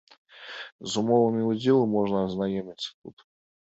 З умовамі ўдзелу можна азнаёміцца тут.